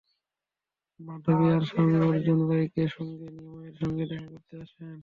মাধবী তাঁর স্বামী অর্জুন রায়কে সঙ্গে নিয়ে মায়ের সঙ্গে দেখা করতে আসেন।